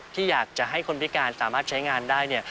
ที่อยากจะให้คนพิการสามารถใช้งานได้เนี่ย